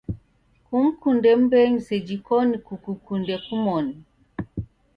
Kumkunde mbenyu seji koni kukukunde kumoni.